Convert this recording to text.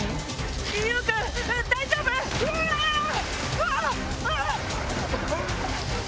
うわっ！